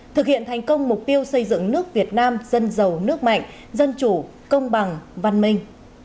thực hiện thành công mục tiêu xây dựng nước việt nam dân giàu nước mạnh dân chủ công bằng văn minh